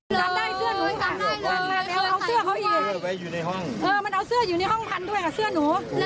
ดันได้เสื้อหนูเอาเสื้อเขาอีกอยู่ในห้องมันเอาเสื้ออยู่ในห้องพันด้วยกับเสื้อหนู